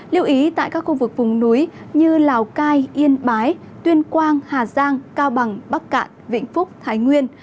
lưu ý tại các khu vực vùng núi như lào cai yên bái tuyên quang hà giang cao bằng bắc cạn vĩnh phúc thái nguyên